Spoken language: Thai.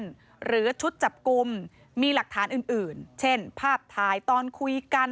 หรือชุดจับกลุ่มมีหลักฐานอื่นเช่นภาพถ่ายตอนคุยกัน